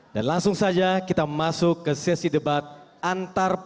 langsung saja kita masuk ke sesi debat antar partai